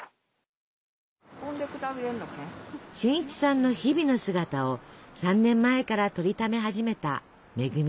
俊一さんの日々の姿を３年前から撮りため始めた恵さん。